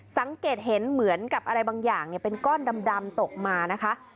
สังเกตเห็นเหมือนกับอะไรบางอย่างเป็นก้อนดำตกมานะคะ